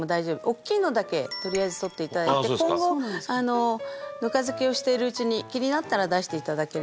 大きいのだけとりあえず取っていただいて今後ぬか漬けをしているうちに気になったら出していただければ。